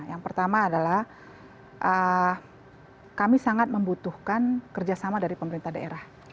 yang pertama adalah kami sangat membutuhkan kerjasama dari pemerintah daerah